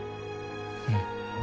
うん。